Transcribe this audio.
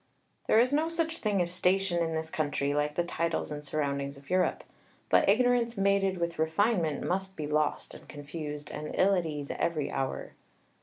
_ There is no such thing as station in this country, like the titles and surroundings of Europe; but ignorance mated with refinement must be lost and confused, and ill at ease every hour.